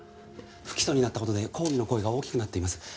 不起訴になった事で抗議の声が大きくなっています。